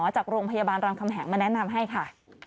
จากโรงพยาบาลรามคำแหงมาแนะนำให้ค่ะ